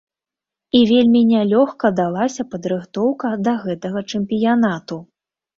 І вельмі нялёгка далася падрыхтоўка да гэтага чэмпіянату.